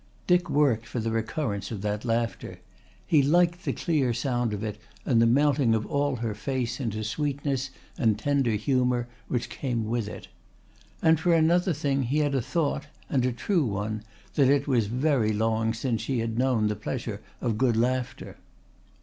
Dick worked for the recurrence of that laughter. He liked the clear sound of it and the melting of all her face into sweetness and tender humour which came with it. And for another thing he had a thought, and a true one, that it was very long since she had known the pleasure of good laughter.